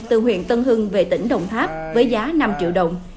viện tân hưng về tỉnh đồng tháp với giá năm triệu đồng